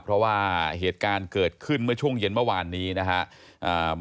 เพราะว่าเหตุการณ์เกิดขึ้นเมื่อช่วงเย็นเมื่อวานนี้นะครับ